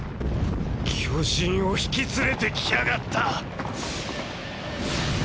⁉巨人を引き連れて来やがった！！